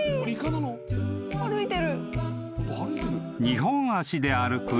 ［二本足で歩く］